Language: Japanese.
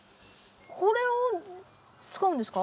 これを使うんですか？